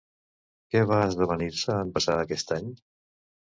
Què va esdevenir-se en passar aquest any?